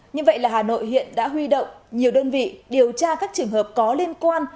như vậy là hà nội hiện đã huy động nhiều đơn vị điều tra các trường hợp có liên quan